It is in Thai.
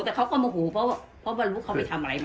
แต่เขาก็โมโหเพราะไม่รู้เขาไปทำอะไรมา